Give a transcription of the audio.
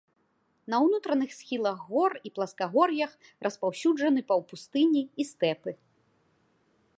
На ўнутраных схілах гор і пласкагор'ях распаўсюджаны паўпустыні і стэпы.